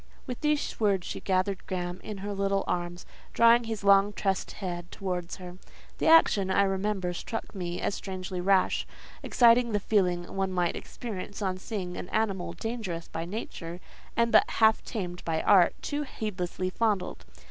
With these words she gathered Graham in her little arms, drawing his long tressed head towards her. The action, I remember, struck me as strangely rash; exciting the feeling one might experience on seeing an animal dangerous by nature, and but half tamed by art, too heedlessly fondled.